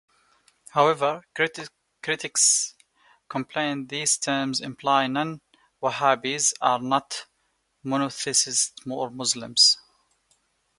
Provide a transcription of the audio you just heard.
However, critics complain these terms imply non-Wahhabis are not monotheists or Muslims.